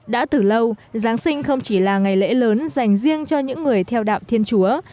đã từ lâu giáng sinh không chỉ là ngày lễ lớn dành riêng cho những người theo đạo thiên chúa